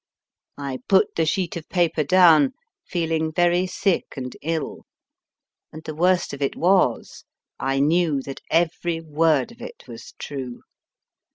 I put the sheet of paper down, feeling very sick and ill. And the worst of it was, I knew that every word of it was true.